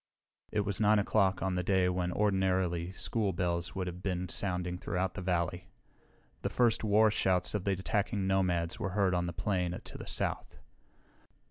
It was 9 o'clock, on a day when ordinarily school bells would have been sounding throughout the valley. The first war shouts of the attacking nomads were heard on the plain to the south.